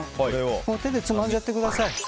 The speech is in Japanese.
手でつまんじゃってください。